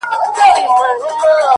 مُلا سړی سو ـ اوس پر لاره د آدم راغلی ـ